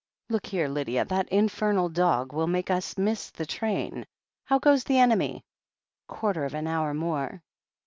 Look here, Lydia, that infernal dog will make us miss the train — ^how goes the enemy?" "Quarter of an hour more."